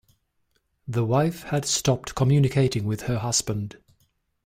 The wife had stopped communicating with her husband